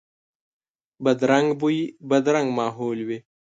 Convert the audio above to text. بدرنګ بوی، بدرنګ محل وي